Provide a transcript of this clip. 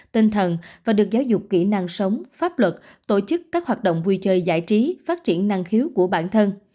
tinh thần và được giáo dục kỹ năng sống pháp luật tổ chức các hoạt động vui chơi giải trí phát triển năng khiếu của bản thân